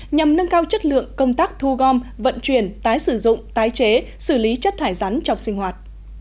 nhằm nâng cao chất lượng công tác thu gom vận chuyển tái sử dụng tái chế xử lý chất thải rắn trong sinh hoạt